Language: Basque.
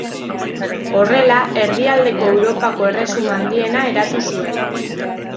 Horrela, Erdialdeko Europako erresuma handiena eratu zuen.